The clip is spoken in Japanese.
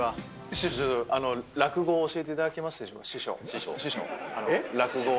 師匠、落語を教えていただけますでしょうか、師匠。